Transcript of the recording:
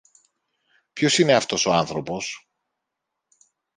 Ποιος είναι αυτός ο άνθρωπος;